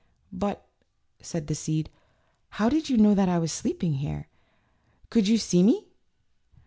"But," said the seed, "how did you know that I was sleeping here? Could you see me?"